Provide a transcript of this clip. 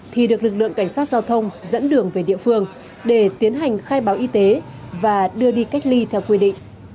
thì được lực lượng cảnh sát giao thông dẫn đường về địa phương để tiến hành khai báo y tế và đưa đi cách ly theo quy định